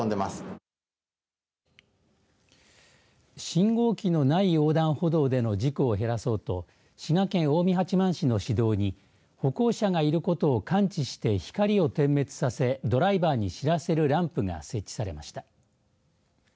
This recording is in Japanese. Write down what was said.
信号機のない横断歩道での事故を減らそうと滋賀県近江八幡市の市道に歩行者がいることを感知して光を点滅させドライバーに知らせるランプが設置されました。